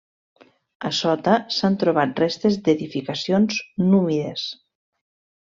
A sota, s'han trobat restes d'edificacions númides.